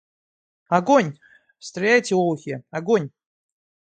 Огонь! Стреляйте, олухи, огонь!